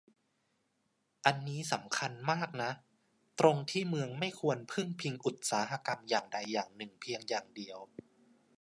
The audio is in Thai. อันนี้สำคัญมากนะ ตรงที่เมืองไม่ควรพึ่งพิงอุตสาหกรรมอย่างใดอย่างหนึ่งเพียงอย่างเดียว